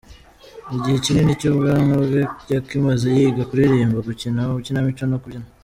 Igihe kinini cy’ubwana bwe yakimaze yiga kuririmba, gukina amakinamico no kubyina.